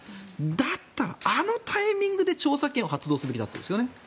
だったらあのタイミングで調査権を発動すべきだったですよね。